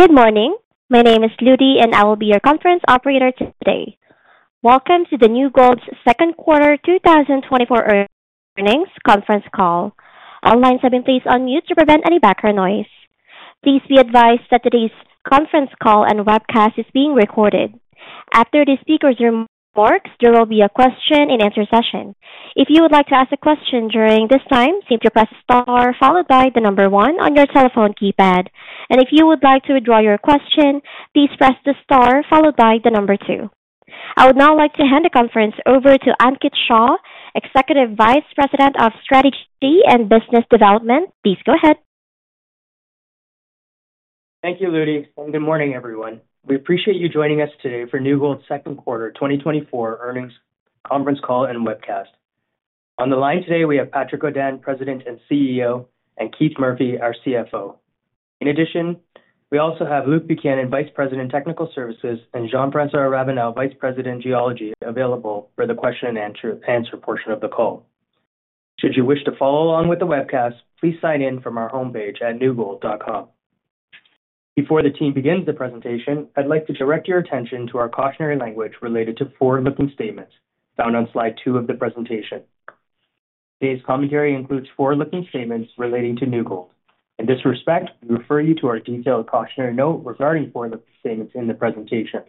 Good morning. My name is Ludy, and I will be your conference operator today. Welcome to New Gold's second quarter 2024 earnings conference call. All lines have been placed on mute to prevent any background noise. Please be advised that today's conference call and webcast is being recorded. After the speakers' remarks, there will be a question-and-answer session. If you would like to ask a question during this time, simply press the star followed by the number one on your telephone keypad. If you would like to withdraw your question, please press the star followed by the number two. I would now like to hand the conference over to Ankit Shah, Executive Vice President of Strategy and Business Development. Please go ahead. Thank you, Ludy. Good morning, everyone. We appreciate you joining us today for New Gold's second quarter 2024 earnings conference call and webcast. On the line today, we have Patrick Godin, President and CEO, and Keith Murphy, our CFO. In addition, we also have Luke Buchanan, Vice President, Technical Services, and Jean-François Ravenelle, Vice President, Geology, available for the question-and-answer portion of the call. Should you wish to follow along with the webcast, please sign in from our homepage at newgold.com. Before the team begins the presentation, I'd like to direct your attention to our cautionary language related to forward-looking statements found on slide two of the presentation. Today's commentary includes forward-looking statements relating to New Gold. In this respect, we refer you to our detailed cautionary note regarding forward-looking statements in the presentation.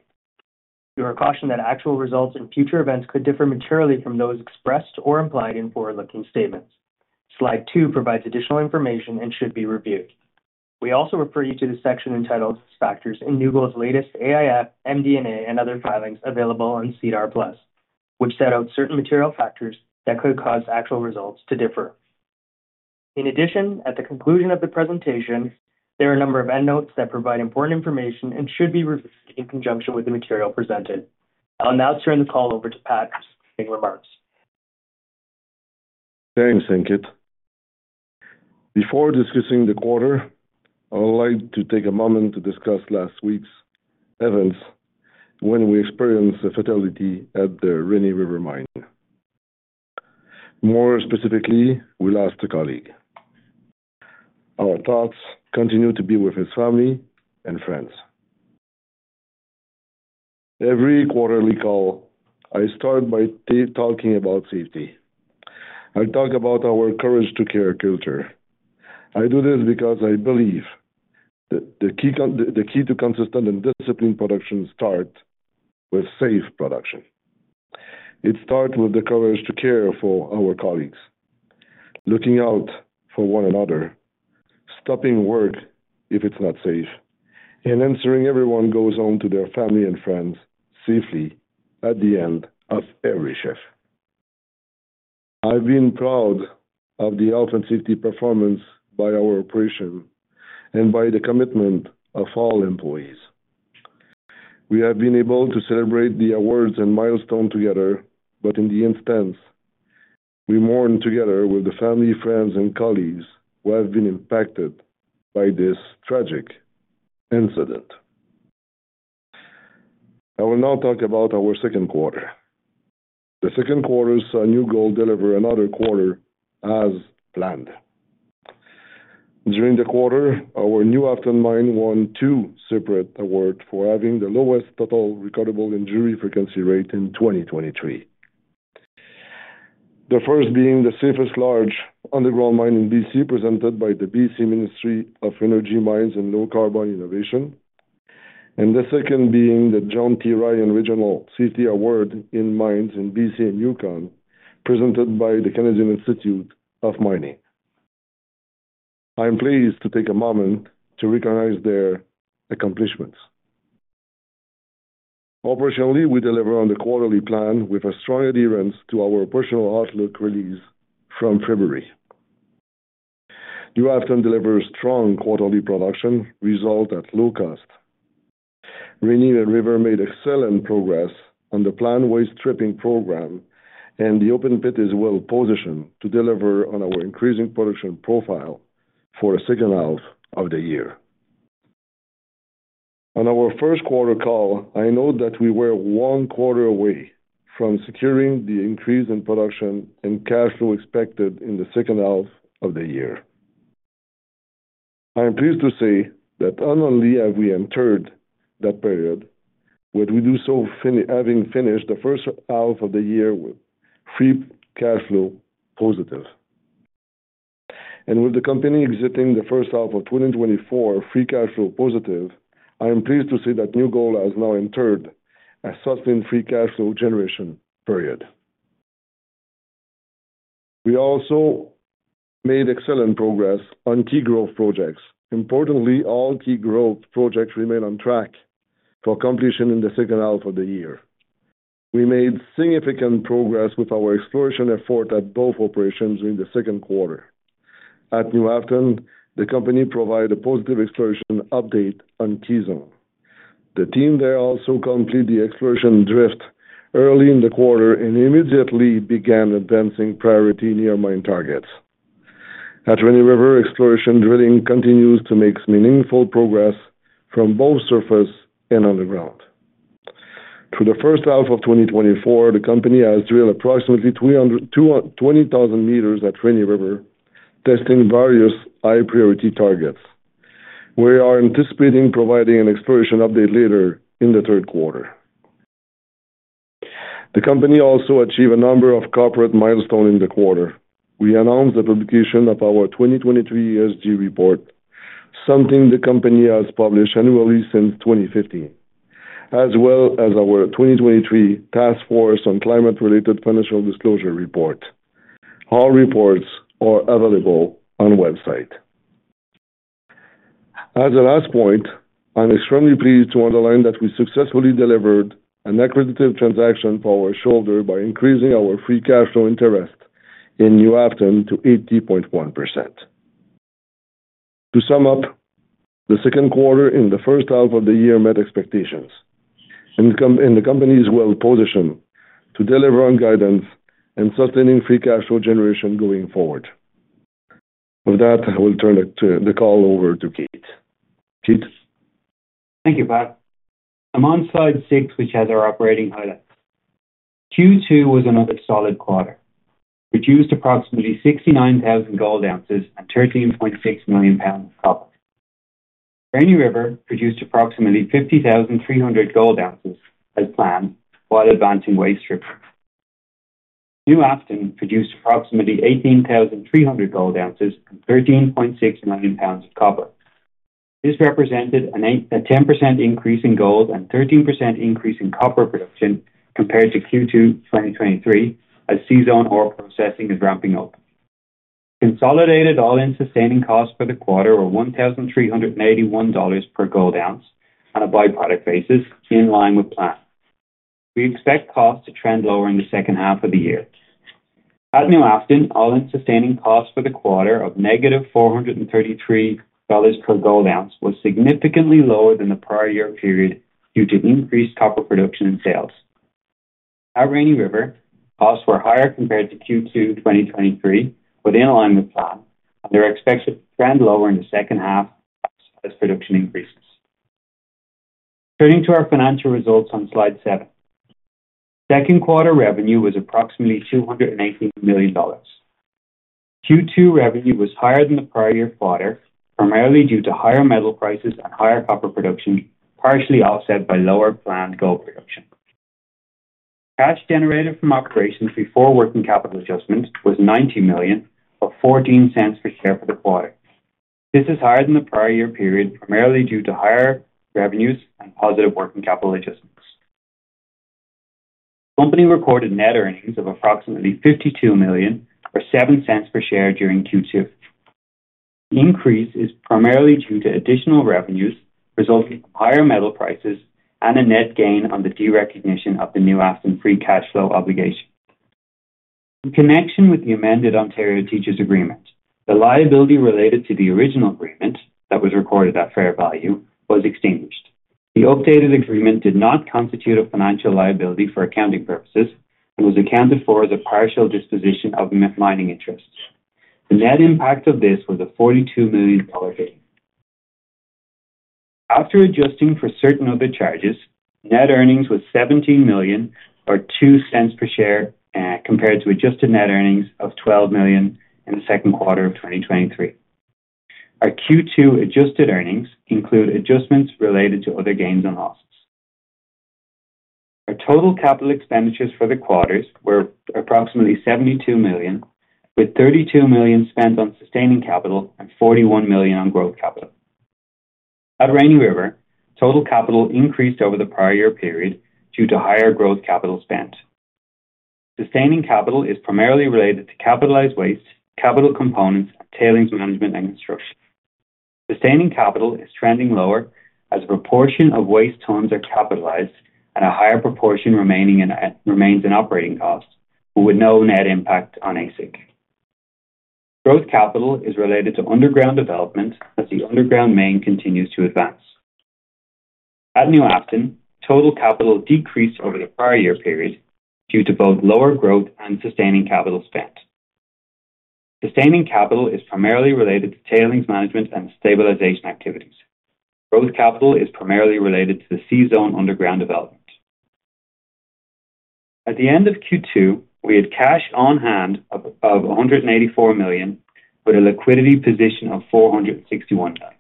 We recall that actual results and future events could differ materially from those expressed or implied in forward-looking statements. Slide two provides additional information and should be reviewed. We also refer you to the section entitled Factors in New Gold's latest AIF, MD&A, and other filings available on SEDAR+, which set out certain material factors that could cause actual results to differ. In addition, at the conclusion of the presentation, there are a number of end notes that provide important information and should be reviewed in conjunction with the material presented. I'll now turn the call over to Patrick for remarks. Thanks, Ankit. Before discussing the quarter, I would like to take a moment to discuss last week's events when we experienced the fatality at the Rainy River Mine. More specifically, we lost a colleague. Our thoughts continue to be with his family and friends. Every quarterly call, I start by talking about safety. I talk about our Courage to Care culture. I do this because I believe that the key to consistent and disciplined production starts with safe production. It starts with the Courage to Care for our colleagues, looking out for one another, stopping work if it's not safe, and ensuring everyone goes home to their family and friends safely at the end of every shift. I've been proud of the health and safety performance by our operation and by the commitment of all employees. We have been able to celebrate the awards and milestones together, but in the instance, we mourn together with the family, friends, and colleagues who have been impacted by this tragic incident. I will now talk about our second quarter. The second quarter saw New Gold deliver another quarter as planned. During the quarter, our New Afton Mine won two separate awards for having the lowest total recordable injury frequency rate in 2023. The first being the safest large underground mine in BC, presented by the BC Ministry of Energy, Mines and Low Carbon Innovation, and the second being the John T. Ryan Regional Safety Award in Mines in BC and Yukon, presented by the Canadian Institute of Mining. I'm pleased to take a moment to recognize their accomplishments. Operationally, we deliver on the quarterly plan with strong adherence to our personal outlook release from February. New Afton delivers strong quarterly production result at low cost. Rainy River made excellent progress on the planned waste stripping program, and the open pit is well positioned to deliver on our increasing production profile for the second half of the year. On our first quarter call, I note that we were one quarter away from securing the increase in production and cash flow expected in the second half of the year. I'm pleased to say that not only have we entered that period, but we do so having finished the first half of the year with free cash flow positive. With the company exiting the first half of 2024 free cash flow positive, I'm pleased to say that New Gold has now entered a sustained free cash flow generation period. We also made excellent progress on key growth projects. Importantly, all key growth projects remain on track for completion in the second half of the year. We made significant progress with our exploration effort at both operations in the second quarter. At New Afton, the company provided a positive exploration update on K-Zone. The team there also completed the exploration drift early in the quarter and immediately began advancing priority near mine targets. At Rainy River, exploration drilling continues to make meaningful progress from both surface and underground. Through the first half of 2024, the company has drilled approximately 20,000 m at Rainy River, testing various high-priority targets. We are anticipating providing an exploration update later in the third quarter. The company also achieved a number of corporate milestones in the quarter. We announced the publication of our 2023 ESG report, something the company has published annually since 2015, as well as our 2023 Task Force on Climate-Related Financial Disclosure report. All reports are available on the website. As a last point, I'm extremely pleased to underline that we successfully delivered an accretive transaction for our shareholders by increasing our free cash flow interest in New Afton to 80.1%. To sum up, the second quarter in the first half of the year met expectations, and the company is well positioned to deliver on guidance and sustaining free cash flow generation going forward. With that, I will turn the call over to Keith. Keith. Thank you, Pat. I'm on slide six, which has our operating highlights. Q2 was another solid quarter. We produced approximately 69,000 gold ounces and 13.6 million pounds of copper. Rainy River produced approximately 50,300 gold ounces as planned while advancing waste stripping. New Afton produced approximately 18,300 gold ounces and 13.6 million pounds of copper. This represented a 10% increase in gold and a 13% increase in copper production compared to Q2 2023 as seasonal ore processing is ramping up. Consolidated all-in sustaining costs for the quarter were $1,381 per gold ounce on a byproduct basis in line with plan. We expect costs to trend lower in the second half of the year. At New Afton, all-in sustaining costs for the quarter of -$433 per gold ounce was significantly lower than the prior year period due to increased copper production and sales. At Rainy River, costs were higher compared to Q2 2023, but in line with plan, and they're expected to trend lower in the second half as production increases. Turning to our financial results on slide seven, second quarter revenue was approximately $218 million. Q2 revenue was higher than the prior year quarter, primarily due to higher metal prices and higher copper production, partially offset by lower planned gold production. Cash generated from operations before working capital adjustment was $90 million or $0.14 per share for the quarter. This is higher than the prior year period, primarily due to higher revenues and positive working capital adjustments. The company reported net earnings of approximately $52 million or $0.07 per share during Q2. The increase is primarily due to additional revenues resulting from higher metal prices and a net gain on the derecognition of the New Afton free cash flow obligation. In connection with the amended Ontario Teachers' Agreement, the liability related to the original agreement that was recorded at fair value was extinguished. The updated agreement did not constitute a financial liability for accounting purposes and was accounted for as a partial disposition of mining interests. The net impact of this was a $42 million gain. After adjusting for certain other charges, net earnings were $17 million or $0.02 per share compared to adjusted net earnings of $12 million in the second quarter of 2023. Our Q2 adjusted earnings include adjustments related to other gains and losses. Our total capital expenditures for the quarters were approximately $72 million, with $32 million spent on sustaining capital and $41 million on growth capital. At Rainy River, total capital increased over the prior year period due to higher growth capital spent. Sustaining capital is primarily related to capitalized waste, capital components, and tailings management and construction. Sustaining capital is trending lower as a proportion of waste tons are capitalized and a higher proportion remains in operating costs, with no net impact on AISC. Growth capital is related to underground development as the underground main continues to advance. At New Afton, total capital decreased over the prior year period due to both lower growth and sustaining capital spent. Sustaining capital is primarily related to tailings management and stabilization activities. Growth capital is primarily related to the C-Zone underground development. At the end of Q2, we had cash on hand of $184 million with a liquidity position of $461 million.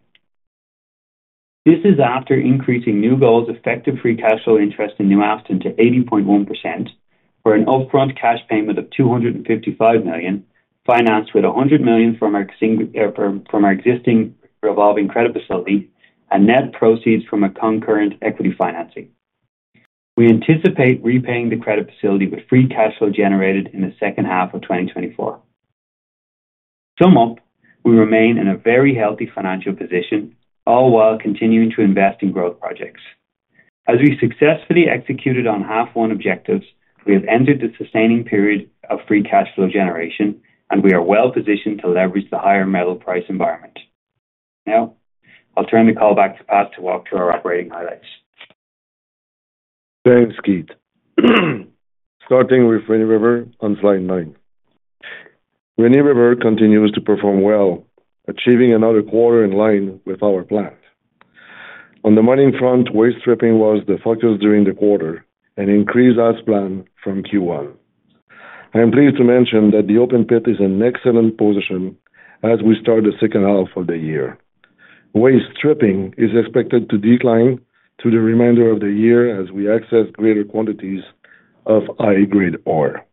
This is after increasing New Gold's effective free cash flow interest in New Afton to 80.1% for an upfront cash payment of $255 million, financed with $100 million from our existing revolving credit facility and net proceeds from a concurrent equity financing. We anticipate repaying the credit facility with free cash flow generated in the second half of 2024. To sum up, we remain in a very healthy financial position, all while continuing to invest in growth projects. As we successfully executed on H1 objectives, we have entered the sustaining period of free cash flow generation, and we are well positioned to leverage the higher metal price environment. Now, I'll turn the call back to Pat to walk through our operating highlights. Thanks, Keith. Starting with Rainy River on slide 9, Rainy River continues to perform well, achieving another quarter in line with our plan. On the mining front, waste stripping was the focus during the quarter and increased as planned from Q1. I'm pleased to mention that the open pit is in excellent position as we start the second half of the year. Waste stripping is expected to decline through the remainder of the year as we access greater quantities of high-grade ore.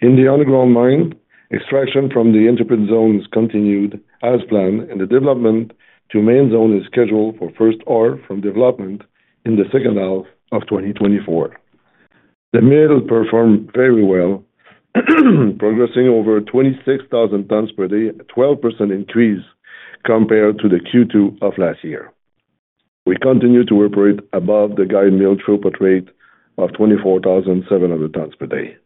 In the underground mine, extraction from the Intrepid Zone continued as planned, and the development to Main Zone is scheduled for first ore from development in the second half of 2024. The mill performed very well, progressing over 26,000 tons per day, a 12% increase compared to the Q2 of last year. We continue to operate above the guide mill throughput rate of 24,700 tons per day.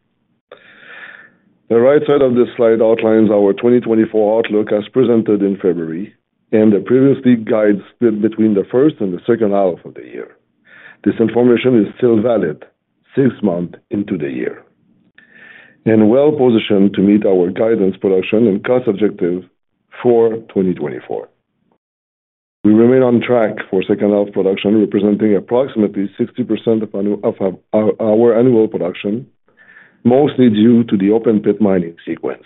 The right side of this slide outlines our 2024 outlook as presented in February, and the previously guided split between the first and the second half of the year. This information is still valid six months into the year and well positioned to meet our guidance production and cost objective for 2024. We remain on track for second-half production, representing approximately 60% of our annual production, mostly due to the open pit mining sequence.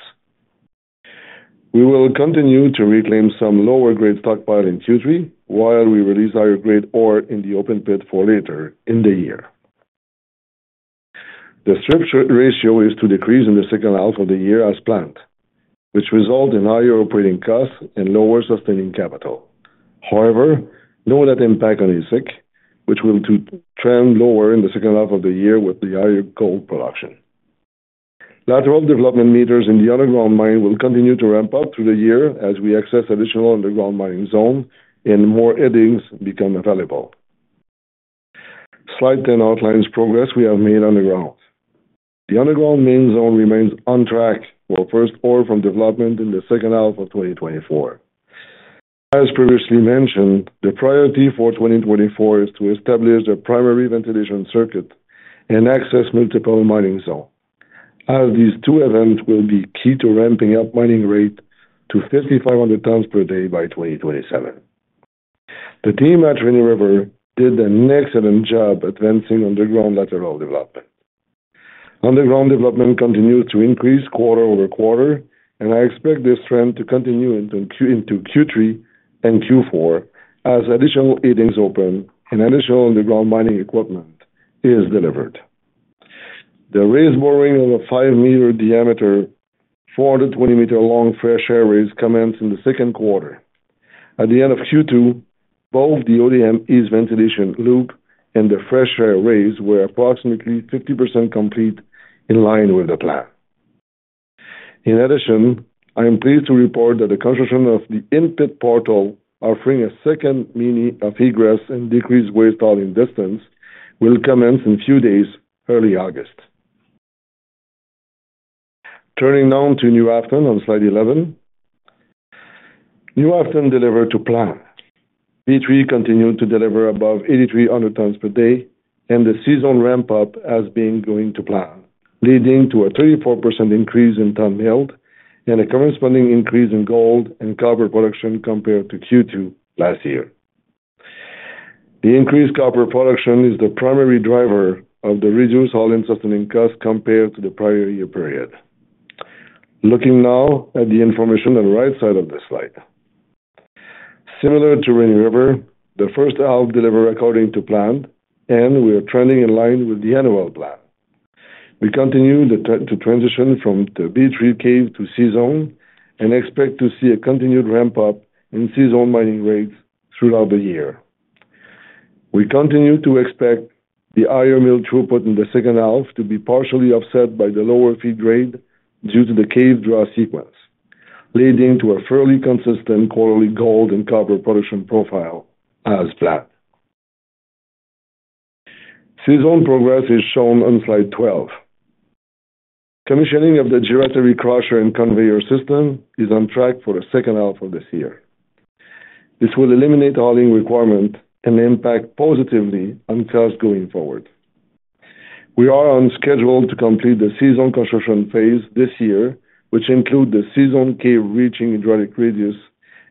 We will continue to reclaim some lower-grade stockpile in Q3 while we release higher-grade ore in the open pit for later in the year. The strip ratio is to decrease in the second half of the year as planned, which results in higher operating costs and lower sustaining capital. However, no net impact on AISC, which will trend lower in the second half of the year with the higher gold production. Lateral development meters in the underground mine will continue to ramp up through the year as we access additional underground mining zone and more headings become available. Slide 10 outlines progress we have made underground. The Underground Main Zone remains on track for first ore from development in the second half of 2024. As previously mentioned, the priority for 2024 is to establish a primary ventilation circuit and access multiple mining zones, as these two events will be key to ramping up mining rate to 5,500 tons per day by 2027. The team at Rainy River did an excellent job advancing underground lateral development. Underground development continues to increase quarter-over-quarter, and I expect this trend to continue into Q3 and Q4 as additional headings open and additional underground mining equipment is delivered. The raise boring of a 5 m diameter 420 m long fresh air raise commenced in the second quarter. At the end of Q2, both the ODM East ventilation loop and the fresh air raise were approximately 50% complete in line with the plan. In addition, I'm pleased to report that the construction of the in-pit portal, offering a second means of egress and decreased waste haulage distance, will commence in a few days, early August. Turning now to New Afton on slide 11, New Afton delivered to plan. B3 continued to deliver above 8,300 tons per day, and the C-Zone ramp-up has been going to plan, leading to a 34% increase in tonnage and a corresponding increase in gold and copper production compared to Q2 last year. The increased copper production is the primary driver of the reduced all-in sustaining costs compared to the prior year period. Looking now at the information on the right side of the slide, similar to Rainy River, the first half delivered according to plan, and we are trending in line with the annual plan. We continue to transition from the B3 cave to C-Zone and expect to see a continued ramp-up in C-Zone mining rates throughout the year. We continue to expect the higher mill throughput in the second half to be partially offset by the lower feed rate due to the cave draw sequence, leading to a fairly consistent quarterly gold and copper production profile as planned. C-Zone progress is shown on slide 12. Commissioning of the gyratory crusher and conveyor system is on track for the second half of this year. This will eliminate hauling requirement and impact positively on costs going forward. We are on schedule to complete the C-Zone construction phase this year, which includes the C-Zone cave reaching hydraulic radius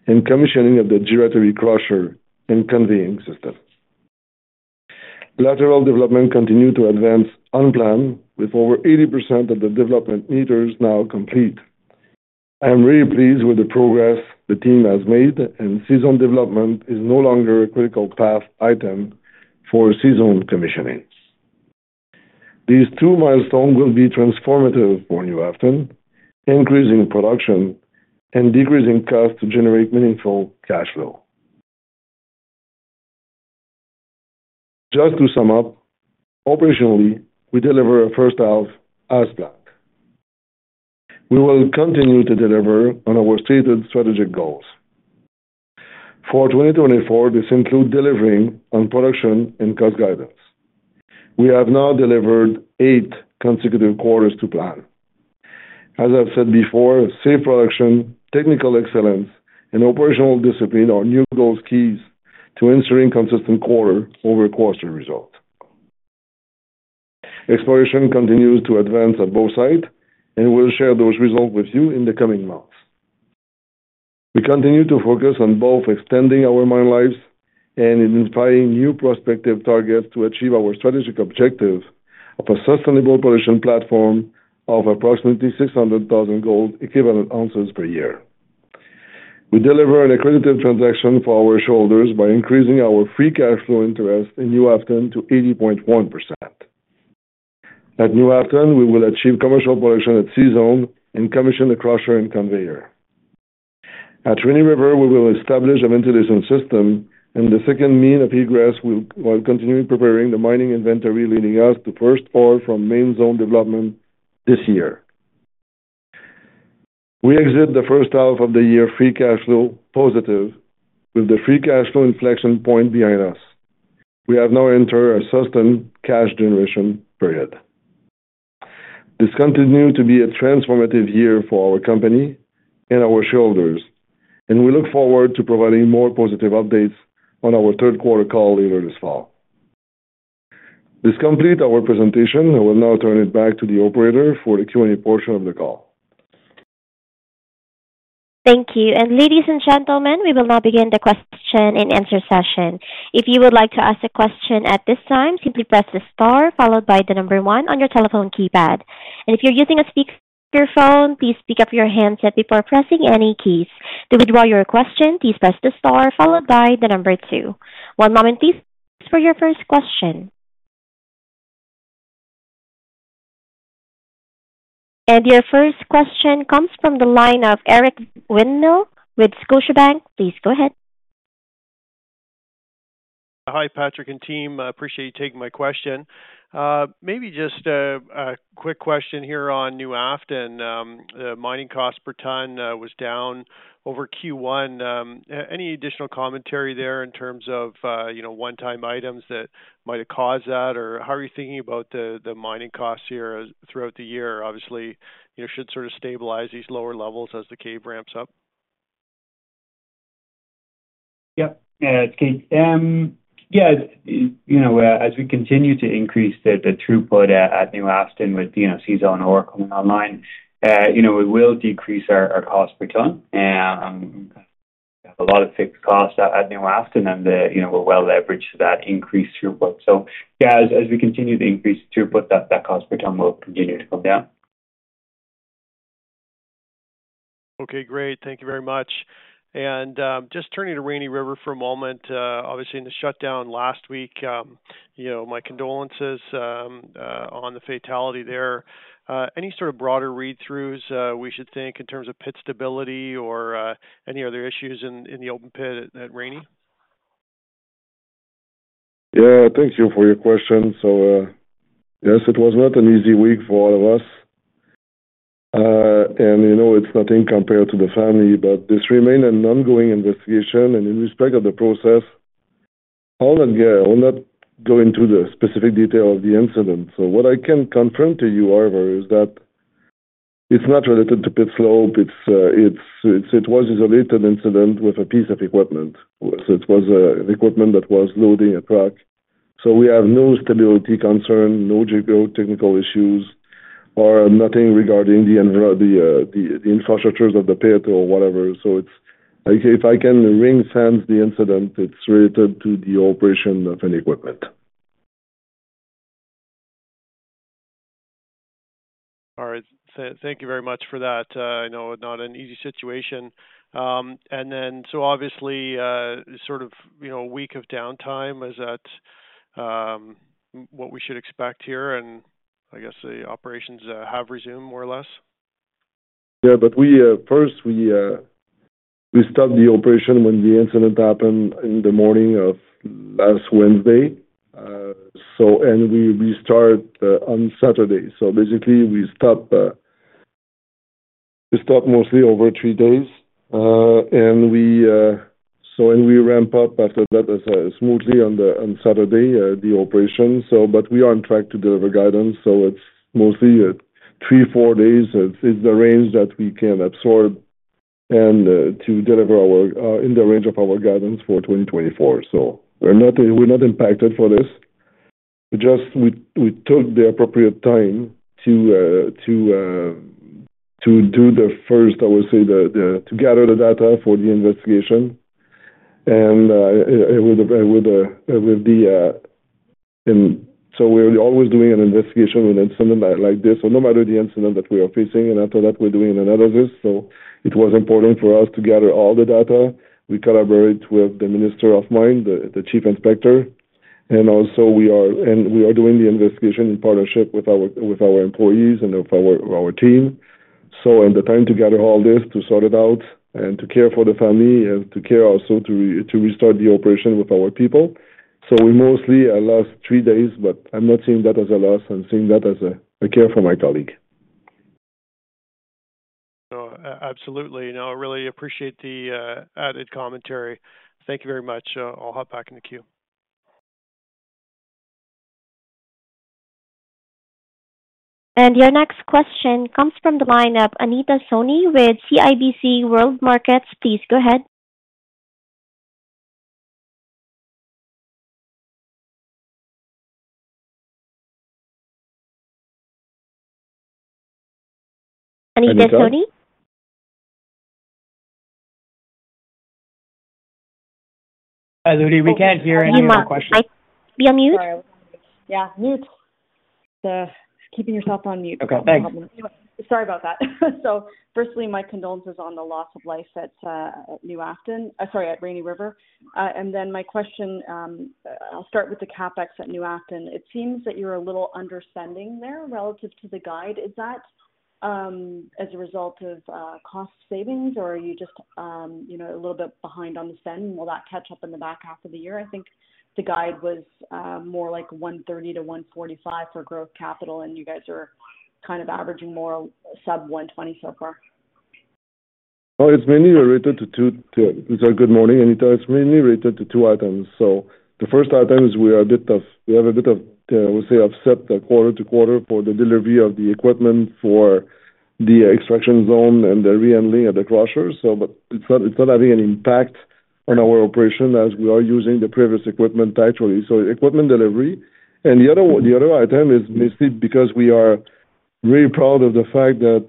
and commissioning of the gyratory crusher and conveying system. Lateral development continued to advance on plan, with over 80% of the development meters now complete. I'm really pleased with the progress the team has made, and C-Zone development is no longer a critical path item for C-Zone commissioning. These two milestones will be transformative for New Afton, increasing production and decreasing costs to generate meaningful cash flow. Just to sum up, operationally, we deliver a first half as planned. We will continue to deliver on our stated strategic goals. For 2024, this includes delivering on production and cost guidance. We have now delivered eight consecutive quarters to plan. As I've said before, safe production, technical excellence, and operational discipline are New Gold's keys to ensuring consistent quarter-over-quarter results. Exploration continues to advance at both sites, and we'll share those results with you in the coming months. We continue to focus on both extending our mine lives and identifying new prospective targets to achieve our strategic objective of a sustainable production platform of approximately 600,000 gold equivalent ounces per year. We deliver an accretive transaction for our shareholders by increasing our free cash flow interest in New Afton to 80.1%. At New Afton, we will achieve commercial production at C-Zone and commission the crusher and conveyor. At Rainy River, we will establish a ventilation system, and the second means of egress will continue preparing the mining inventory leading us to first ore from Main Zone development this year. We exit the first half of the year free cash flow positive, with the free cash flow inflection point behind us. We have now entered a sustained cash generation period. This continues to be a transformative year for our company and our shareholders, and we look forward to providing more positive updates on our third quarter call later this fall. This completes our presentation. I will now turn it back to the operator for the Q&A portion of the call. Thank you. Ladies and gentlemen, we will now begin the question and answer session. If you would like to ask a question at this time, simply press the star followed by the number one on your telephone keypad. If you're using a speakerphone, please pick up your handset before pressing any keys. To withdraw your question, please press the star followed by the number two. One moment, please, for your first question. Your first question comes from the line of Eric Winmill with Scotiabank. Please go ahead. Hi, Patrick and team. Appreciate you taking my question. Maybe just a quick question here on New Afton. The mining cost per ton was down over Q1. Any additional commentary there in terms of one-time items that might have caused that? Or how are you thinking about the mining costs here throughout the year? Obviously, should sort of stabilize these lower levels as the cave ramps up. Yep. It's Keith. Yeah. As we continue to increase the throughput at New Afton with C-Zone and ore coming online, we will decrease our cost per ton. We have a lot of fixed costs at New Afton, and we're well leveraged to that increased throughput. So yeah, as we continue to increase throughput, that cost per ton will continue to come down. Okay, great. Thank you very much. And just turning to Rainy River for a moment. Obviously, in the shutdown last week, my condolences on the fatality there. Any sort of broader read-throughs we should think in terms of pit stability or any other issues in the open pit at Rainy River? Yeah, thank you for your question. So yes, it was not an easy week for all of us. It's nothing compared to the family, but this remained an ongoing investigation. In respect of the process, I'll not go into the specific detail of the incident. So what I can confirm to you, however, is that it's not related to pit slope. It was a related incident with a piece of equipment. So it was equipment that was loading a truck. We have no stability concern, no technical issues, or nothing regarding the infrastructures of the pit or whatever. If I can ring-fence the incident, it's related to the operation of any equipment. All right. Thank you very much for that. I know not an easy situation. And then so obviously, sort of a week of downtime, is that what we should expect here? And I guess the operations have resumed more or less? Yeah, but first, we stopped the operation when the incident happened in the morning of last Wednesday. And we restarted on Saturday. So basically, we stopped mostly over three days. And we ramp up after that smoothly on Saturday, the operation. But we are on track to deliver guidance. So it's mostly three, four days. It's the range that we can absorb and to deliver in the range of our guidance for 2024. So we're not impacted for this. We took the appropriate time to do the first, I would say, to gather the data for the investigation. And with the—and so we're always doing an investigation when it's something like this. So no matter the incident that we are facing, and after that, we're doing an analysis. So it was important for us to gather all the data. We collaborate with the Minister of Mines, the Chief Inspector. Also we are doing the investigation in partnership with our employees and with our team. In the time to gather all this, to sort it out, and to care for the family, and to care also to restart the operation with our people. We mostly allow three days, but I'm not seeing that as a loss. I'm seeing that as a care for my colleague. Absolutely. No, I really appreciate the added commentary. Thank you very much. I'll hop back in the queue. Your next question comes from the line of Anita Soni with CIBC World Markets. Please go ahead. Anita Soni? Anita, we can't hear any of your questions. Be on mute? Yeah, mute. Keeping yourself on mute. Okay, thanks. Sorry about that. So firstly, my condolences on the loss of life at New Afton, sorry, at Rainy River. And then my question, I'll start with the CapEx at New Afton. It seems that you're a little underspending there relative to the guide. Is that as a result of cost savings, or are you just a little bit behind on the spend? Will that catch up in the back half of the year? I think the guide was more like $130-$145 for growth capital, and you guys are kind of averaging more sub $120 so far. Well, it's mainly related to two—sorry, good morning, Anita. It's mainly related to two items. So the first item is we have a bit of, I would say, upset quarter to quarter for the delivery of the equipment for the extraction zone and the rehandling at the crusher. But it's not having an impact on our operation as we are using the previous equipment actually. So equipment delivery. And the other item is mostly because we are very proud of the fact that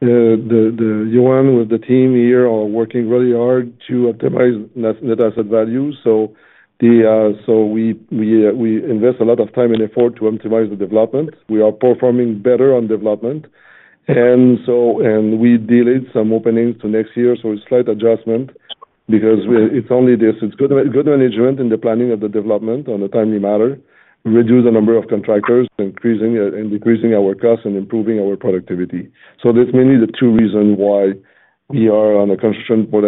the Yohann with the team here are working really hard to optimize net asset value. So we invest a lot of time and effort to optimize the development. We are performing better on development. And we delayed some openings to next year. So it's a slight adjustment because it's only this. It's good management in the planning of the development on a timely manner, reduce the number of contractors, and decreasing our costs and improving our productivity. So that's mainly the two reasons why we are on a construction point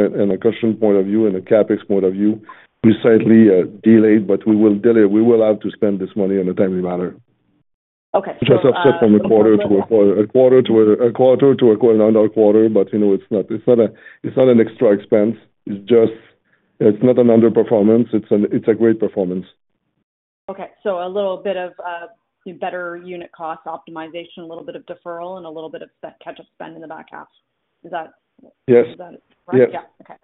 of view and a CapEx point of view, which slightly delayed. But we will have to spend this money in a timely manner. Okay. Just offset from a quarter to a quarter to another quarter. But it's not an extra expense. It's not an underperformance. It's a great performance. Okay. So a little bit of better unit cost optimization, a little bit of deferral, and a little bit of catch-up spend in the back half. Is that right? Yes. Yes. Okay.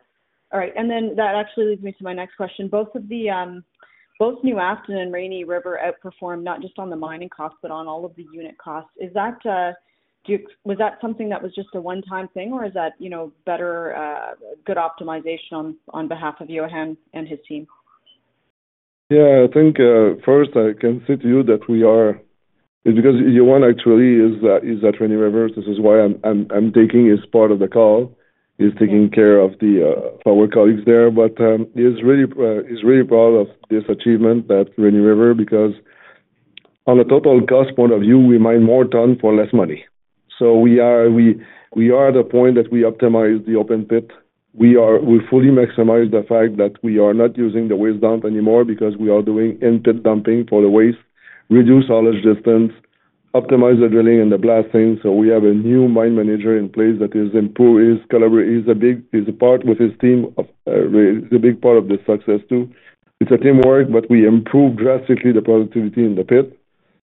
All right. And then that actually leads me to my next question. Both New Afton and Rainy River outperformed not just on the mining cost, but on all of the unit costs. Was that something that was just a one-time thing, or is that better, good optimization on behalf of Yohann and his team? Yeah. I think first, I can say to you that we are, because Yohann actually is at Rainy River. This is why I'm taking his part of the call, is taking care of our colleagues there. But he's really proud of this achievement at Rainy River because on a total cost point of view, we mine more ton for less money. So we are at a point that we optimize the open pit. We fully maximize the fact that we are not using the waste dump anymore because we are doing in-pit dumping for the waste, reduce haulage distance, optimize the drilling and the blasting. So we have a new mine manager in place that is a big part with his team. It's a big part of the success too. It's a teamwork, but we improve drastically the productivity in the pit.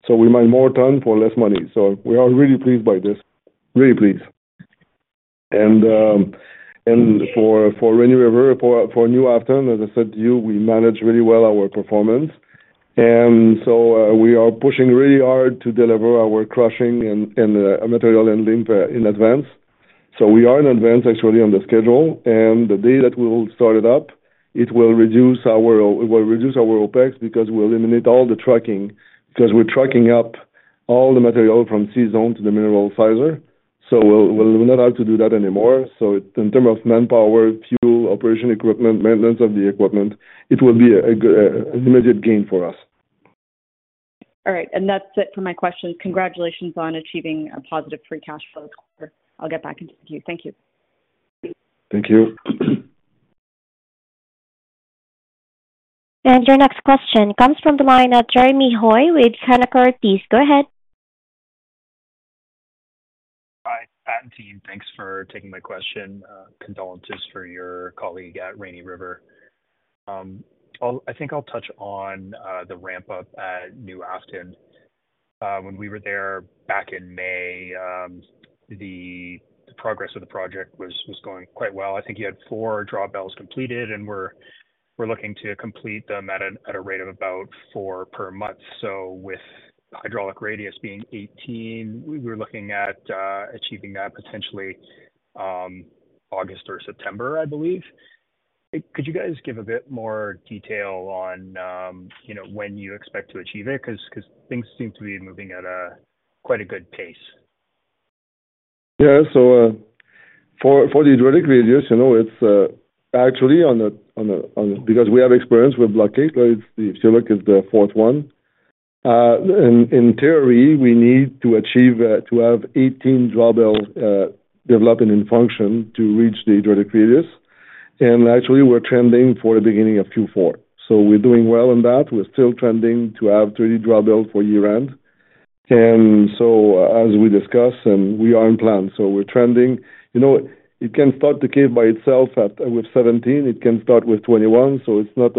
So we mine more ton for less money. So we are really pleased by this. Really pleased. And for Rainy River, for New Afton, as I said to you, we manage really well our performance. And so we are pushing really hard to deliver our crushing and material handling in advance. So we are in advance actually on the schedule. And the day that we'll start it up, it will reduce our OpEx because we'll eliminate all the trucking because we're trucking up all the material from C-Zone to the mineral sizer. So we'll not have to do that anymore. So in terms of manpower, fuel, operation equipment, maintenance of the equipment, it will be an immediate gain for us. All right. And that's it for my questions. Congratulations on achieving a positive free cash flow. I'll get back into the queue. Thank you. Thank you. Your next question comes from the line of Jeremy Hoy with Canaccord, please. Go ahead. Hi, team. Thanks for taking my question. Condolences for your colleague at Rainy River. I think I'll touch on the ramp-up at New Afton. When we were there back in May, the progress of the project was going quite well. I think you had four drawbells completed, and we're looking to complete them at a rate of about four per month. So with hydraulic radius being 18, we were looking at achieving that potentially August or September, I believe. Could you guys give a bit more detail on when you expect to achieve it? Because things seem to be moving at quite a good pace. Yeah. So for the hydraulic radius, it's actually on the—because we have experience with block cave, if you look, it's the fourth one. In theory, we need to have 18 drawbells developing in function to reach the hydraulic radius. And actually, we're trending for the beginning of Q4. So we're doing well on that. We're still trending to have 30 drawbells for year-end. And so as we discussed, and we are in plan. So we're trending. It can start the cave by itself with 17. It can start with 21. So it's not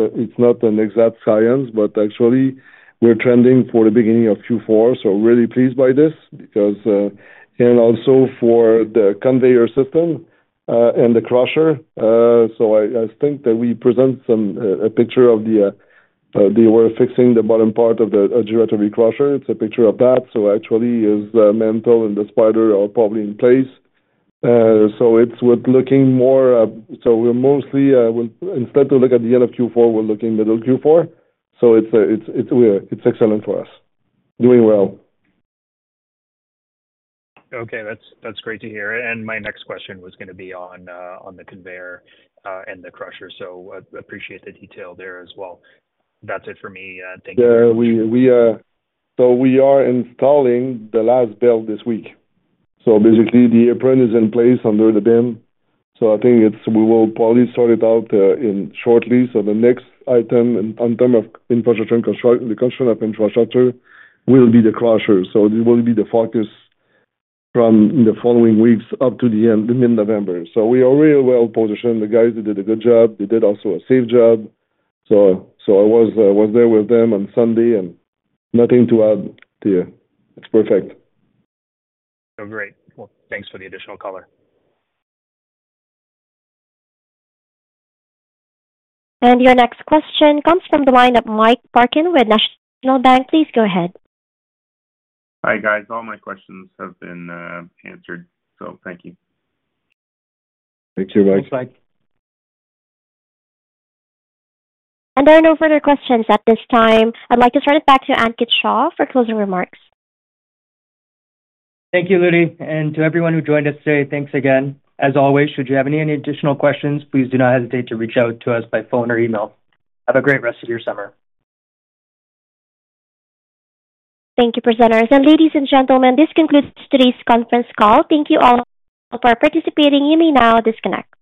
an exact science, but actually, we're trending for the beginning of Q4. So really pleased by this because—and also for the conveyor system and the crusher. So I think that we present a picture of the—we're fixing the bottom part of the gyratory crusher. It's a picture of that. So actually, the mantle and the spider are probably in place. So it's worth looking more, so we're mostly, instead of looking at the end of Q4, we're looking middle Q4. So it's excellent for us. Doing well. Okay. That's great to hear. My next question was going to be on the conveyor and the crusher. Appreciate the detail there as well. That's it for me. Thank you. Yeah. So we are installing the last belt this week. So basically, the apron is in place under the bin. So I think we will probably sort it out shortly. So the next item in terms of construction, the construction of infrastructure, will be the crusher. So it will be the focus from the following weeks up to the end, mid-November. So we are really well positioned. The guys did a good job. They did also a safe job. So I was there with them on Sunday. And nothing to add there. It's perfect. Great. Well, thanks for the additional color. Your next question comes from the line of Mike Parkin with National Bank. Please go ahead. Hi guys. All my questions have been answered. So thank you. Thank you, Mike. There are no further questions at this time. I'd like to turn it back to Ankit Shah for closing remarks. Thank you, Ludy. To everyone who joined us today, thanks again. As always, should you have any additional questions, please do not hesitate to reach out to us by phone or email. Have a great rest of your summer. Thank you, presenters. Ladies and gentlemen, this concludes today's conference call. Thank you all for participating. You may now disconnect.